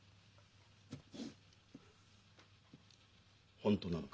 本当なのか？